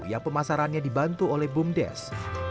yang pemasarannya dibantu oleh bumdes